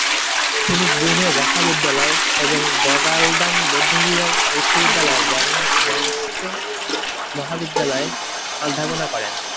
তিনি গ্যুমে মহাবিদ্যালয় এবং দ্গা'-ল্দান বৌদ্ধবিহার বিশ্ববিদ্যালয়ের ব্যাং-র্ত্সে মহাবিদ্যালয়ে অধ্যাপনা করেন।